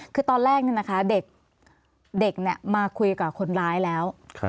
คือตอนแรกเด็กมาคุยกับคนร้ายแล้ว